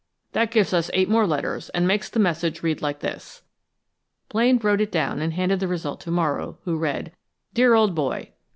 That gives us eight more letters, and makes the message read like this." Blaine wrote it down and handed the result to Morrow, who read: _Dear Old Boy.